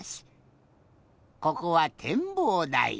ここはてんぼうだい。